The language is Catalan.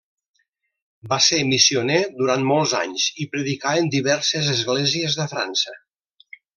Va ser missioner durant molts anys i predicà en diverses esglésies de França.